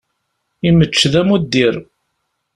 Imečč d amuddir.